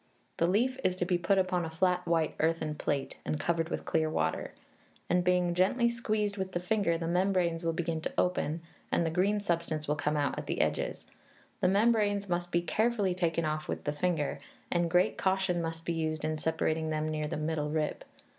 The leaf is to be put upon a flat white earthen plate, and covered with clear water; and being gently squeezed with the finger, the membranes will begin to open, and the green substance will come out at the edges; the membranes must be carefully taken off with the finger, and great caution must be used in separating them near the middle rib.